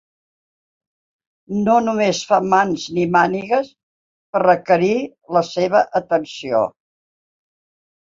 No només fa mans i mànigues per requerir la seva atenció.